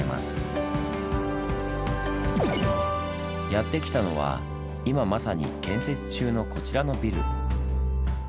やってきたのは今まさに建設中のこちらのビル。